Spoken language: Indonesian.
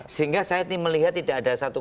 sehingga saya melihat tidak ada satu